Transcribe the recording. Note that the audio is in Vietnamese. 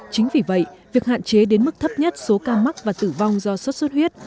chính vì vậy việc hạn chế đến mức thấp nhất số ca mắc và tử vong do sốt xuất huyết